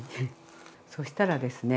そしたらですね